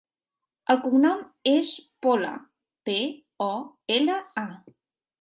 El cognom és Pola: pe, o, ela, a.